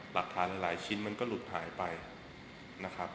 หลักฐานหลายชิ้นมันก็หลุดหายไปนะครับ